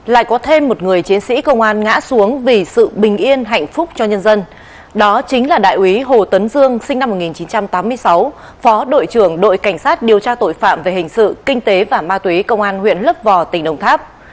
lại có thêm một người chiến sĩ công an ngã xuống vì sự bình yên hạnh phúc cho nhân dân đó chính là đại úy hồ tấn dương sinh năm một nghìn chín trăm tám mươi sáu phó đội trưởng đội cảnh sát điều tra tội phạm về hình sự kinh tế và ma túy công an huyện lấp vò tỉnh đồng tháp